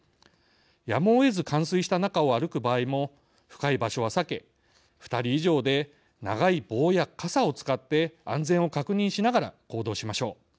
やむを得ず冠水した中を歩く場合も深い場所は避け２人以上で長い棒や傘を使って安全を確認しながら行動しましょう。